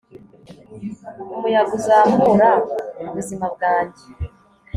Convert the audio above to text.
umuyaga uzamura ubuzima bwanjye